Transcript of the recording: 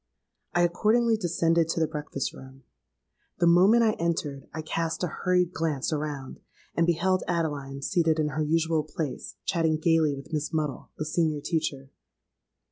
"I accordingly descended to the breakfast room. The moment I entered, I cast a hurried glance around, and beheld Adeline seated in her usual place, chatting gaily with Miss Muddle, the senior teacher.